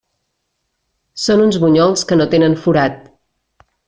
Són uns bunyols que no tenen forat.